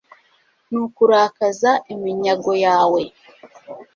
nukurakaza iminyago yawe